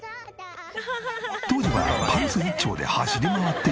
当時はパンツ一丁で走り回っていましたが。